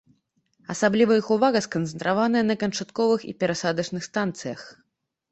Асабліва іх увага сканцэнтраваная на канчатковых і перасадачных станцыях.